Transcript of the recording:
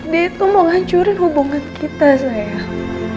dia itu mau ngancurin hubungan kita sayang